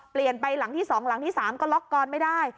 เปลี่ยนไปหลังที่๒หลังที่๓ก็ล็อกกอนไม่ได้